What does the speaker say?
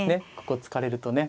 ここ突かれるとね。